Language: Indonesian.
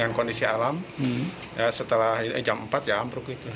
dengan kondisi alam setelah jam empat ya ambruk gitu